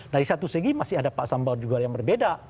dari satu segi masih ada pak sambal juga yang berbeda